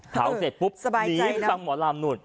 เผาเสร็จปุ๊บหนีไปฟังหมอลำ